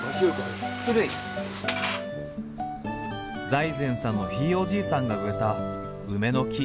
財前さんのひいおじいさんが植えた梅の木。